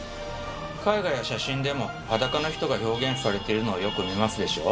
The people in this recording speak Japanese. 絵画や写真でも裸の人が表現されているのをよく見ますでしょ？